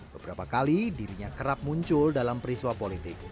beberapa kali dirinya kerap muncul dalam periswa politik